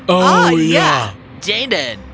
oh ya jaden